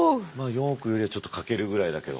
４億ちょっとかけるぐらいだけど。